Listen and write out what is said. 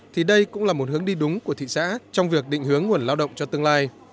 thì đây cũng là một hướng đi đúng của thị xã trong việc định hướng nguồn lao động cho tương lai